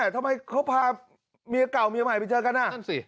ทำไมเขาพาเมียเก่าเมียใหม่ไปเจอกันนั่นสิ